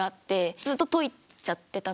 ずっと解いちゃってたの。